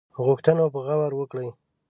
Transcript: غوښتنو به غور وکړي.